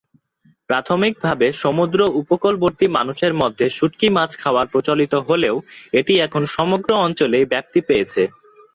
প্রাথমিকভাবে সমুদ্র উপকূলবর্তী মানুষের মধ্যে শুটকি মাছ খাওয়া প্রচলিত হলেও এটা এখন সমগ্র অঞ্চলেই ব্যপ্তি পেয়েছে।